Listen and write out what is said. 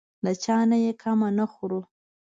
له چا نه یې کمه نه خورو.